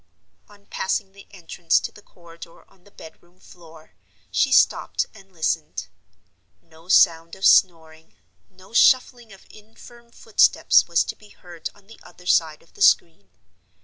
On passing the entrance to the corridor on the bedroom floor, she stopped and listened. No sound of snoring, no shuffling of infirm footsteps was to be heard on the other side of the screen.